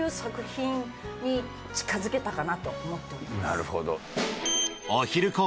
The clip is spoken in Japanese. なるほど。